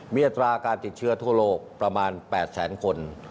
มีอัตราการติดเชื้อทั่วโลกประมาณ๘แสนคน